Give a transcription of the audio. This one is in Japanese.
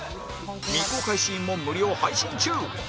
未公開シーンも無料配信中